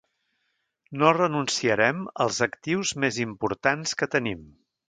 No renunciarem als actius més importants que tenim.